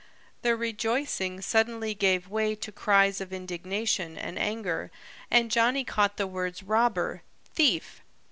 The rejoicing suddenly gave way to cries of indignation and anger, and Johnny caught the words, "Robber! Thief!